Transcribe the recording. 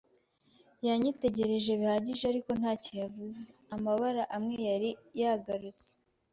Yanyitegereje bihagije ariko ntacyo yavuze. Amabara amwe yari yagarutse